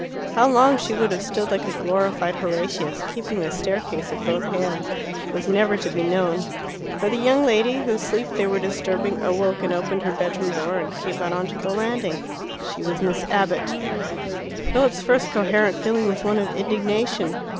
How long she would have stood like a glorified Horatius, keeping the staircase at both ends, was never to be known. For the young lady, whose sleep they were disturbing, awoke and opened her bedroom door, and came out on to the landing. She was Miss Abbott. Philip's first coherent feeling was one of indignation.